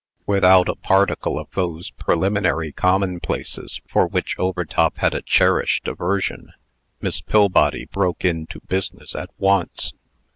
Without a particle of those preliminary commonplaces for which Overtop had a cherished aversion, Miss Pillbody broke into business at once.